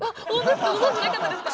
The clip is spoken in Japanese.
ご存じなかったですか？